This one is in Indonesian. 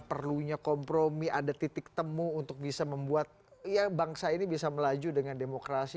perlunya kompromi ada titik temu untuk bisa membuat ya bangsa ini bisa melaju dengan demokrasi